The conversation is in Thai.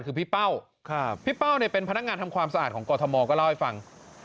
คือพี่เป้าพี่เป้าเนี่ยเป็นพนักงานทำความสะอาดของกรทมก็เล่าให้ฟัง